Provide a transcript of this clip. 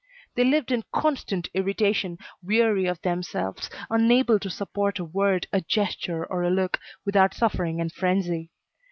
They lived in constant irritation, weary of themselves, unable to support a word, a gesture or a look, without suffering and frenzy.